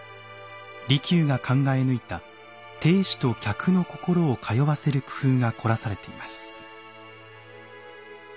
利休が考え抜いた亭主と客の心を通わせる工夫が凝らされています。